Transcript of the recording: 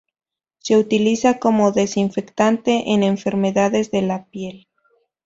Se utiliza como desinfectante en enfermedades de la piel.